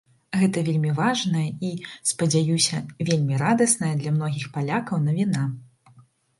Гэта вельмі важная і, спадзяюся, вельмі радасная для многіх палякаў навіна.